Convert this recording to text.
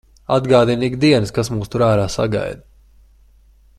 Atgādina ik dienas, kas mūs tur ārā sagaida.